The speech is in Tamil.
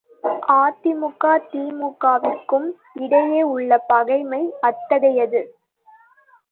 அ.தி.மு.க தி.மு.க.விற்கும் இடையே உள்ள பகைமை அத்தகையது.